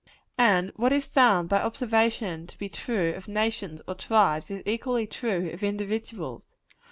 And what is found by observation to be true of nations or tribes, is equally true of individuals.